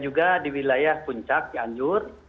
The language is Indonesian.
juga di wilayah puncak cianjur